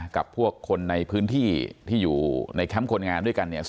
กับพวกคนในพื้นที่ที่อยู่ในแคมป์คนงานด้วยกันเนี่ย